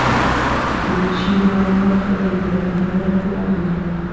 د چیواوا خلک د باران لپاره دعا کوي.